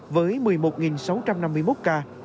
với một mươi một sáu trăm năm mươi một ca